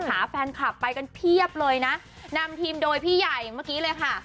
แฟนคลับไปกันเพียบเลยนะนำทีมโดยพี่ใหญ่เมื่อกี้เลยค่ะ